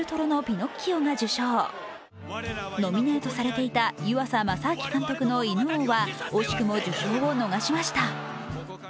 ノミネートされていた湯浅政明監督の「犬王」は惜しくも受賞を逃しました。